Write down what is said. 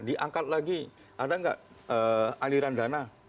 diangkat lagi ada nggak aliran dana